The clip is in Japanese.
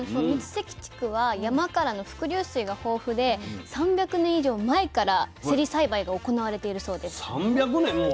三関地区は山からの伏流水が豊富で３００年以上前からせり栽培が行われているそうです。